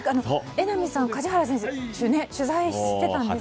榎並さん、梶原選手を取材していたんですね。